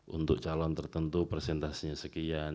untuk calon tertentu presentasinya sekian